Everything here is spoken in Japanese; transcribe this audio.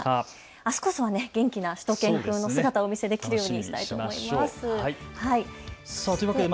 あすこそ元気なしゅと犬くんの姿をお見せできるようにしたいですね。